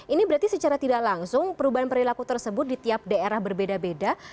ini berarti secara tidak langsung perubahan perilaku tersebut di tiap daerah berbeda beda